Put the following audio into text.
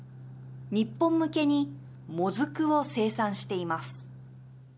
日本向けにもずくを生産しています。